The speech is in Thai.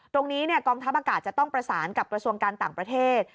กองทัพอากาศจะต้องประสานกับกระทรวงการต่างประเทศ